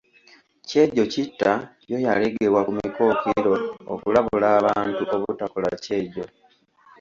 Kyejokitta yo yaleegebwa ku mikookiro okulabula abantu obutakola kyejo.